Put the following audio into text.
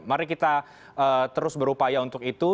mari kita terus berupaya untuk itu